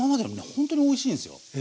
ほんとにおいしいんすよ。